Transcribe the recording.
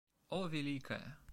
О, великая!